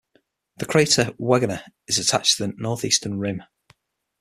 The crater Wegener is attached to the northeastern rim.